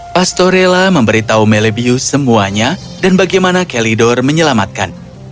pastorella memberitahu melebius semuanya dan bagaimana kalidor menyelamatkan